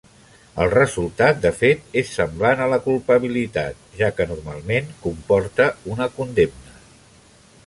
El resultat de fet és semblant a la culpabilitat, ja que normalment comporta una condemna.